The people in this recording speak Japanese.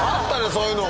そういうのが。